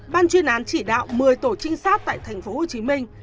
ban chuyên án chỉ đạo một mươi tổ trinh sát tại tp hcm